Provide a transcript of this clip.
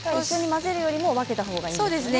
混ぜるよりも分けたほうがいいんですか？